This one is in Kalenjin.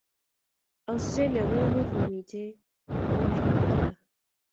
Austraia ko emet ne miten en world cup kila